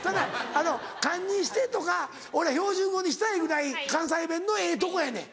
あの「堪忍して」とか俺は標準語にしたいぐらい関西弁のええとこやねん。